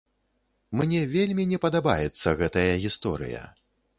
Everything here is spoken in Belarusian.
Мне вельмі не падабаецца гэтая гісторыя.